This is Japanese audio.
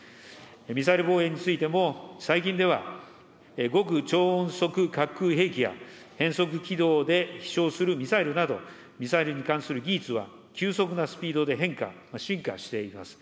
ミサイル防衛についても、最近では、極超音速滑空兵器や、変則軌道で飛しょうするミサイルなど、ミサイルに関する技術は、急速なスピードで変化、進化しています。